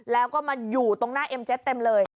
แล้วก็มาอยู่ตรงหน้าเอ็มเจ็ตเต็มเลย